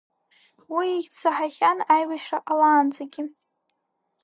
Уи ихьӡ саҳахьан аибашьра ҟалаанӡагьы.